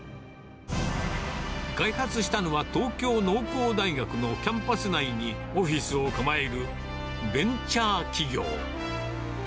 開発したのは東京農工大学のキャンパス内にオフィスを構えるベンチャー企業。